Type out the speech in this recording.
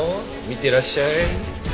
見てらっしゃい。